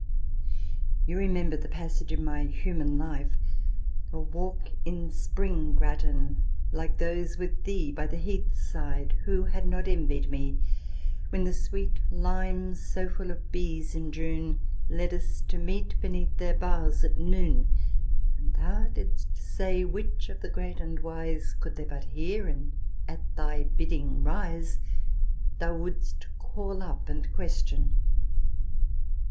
You remember the passage in my "Human Life "? A walk in spring Grattan, like those with thee By the heath side( who had not envied me ?), When the sweet limes, so full of bees in June, Led us to meet beneath their boughs at noon ; And thou didst say which of the great and wise, Could they but hear and at thy bidding rise, Thou wouldst call up and question.